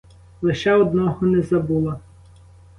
Лиш одного не забула.